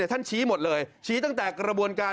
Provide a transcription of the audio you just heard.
ชี้หมดเลยชี้ตั้งแต่กระบวนการ